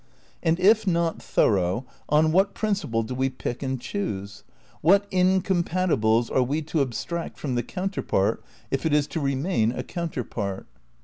And if not thorough, on what principle do we pick and choose? What incompatibles are we to ab stract from the counterpart if it is to remain a counter part?